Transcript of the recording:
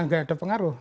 nggak ada pengaruh